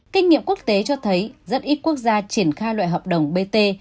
kinh nghiệm quốc tế cho thấy rất ít quốc gia triển khai loại hợp đồng bt